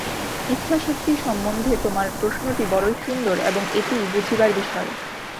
ইচ্ছাশক্তি সম্বন্ধে তোমার প্রশ্নটি বড়ই সুন্দর এবং ঐটিই বুঝিবার বিষয়।